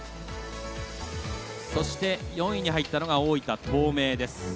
そして、４位に入ったのが大分東明です。